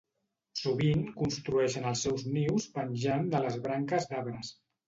Sovint construeixen els seus nius penjant de les branques d'arbres.